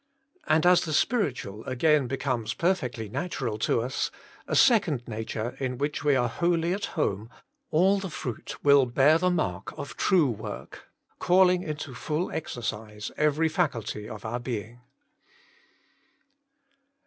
And as the spir itual again becomes perfectly natural to us, a second nature in which we are wholly at home, all the fruit will bear the mark of true work, calling into full exercise every faculty of our being.